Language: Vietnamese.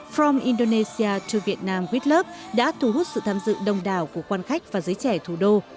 from indonesia to vietnam with love đã thu hút sự tham dự đông đảo của quan khách và giới trẻ thủ đô